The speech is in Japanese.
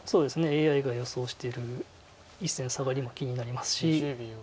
ＡＩが予想している１線サガリも気になりますし。